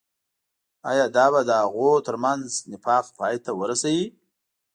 آيا دا به د هغوي تر منځ نفاق پاي ته ورسوي.